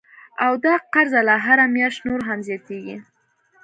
او دا قرضه لا هره میاشت نوره هم زیاتیږي